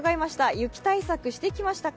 雪対策してきましたか？